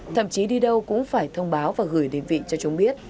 thậm chí đi đâu cũng phải thông báo và gửi đến vị cho chúng biết